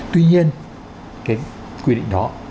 tuy nhiên cái quy định đó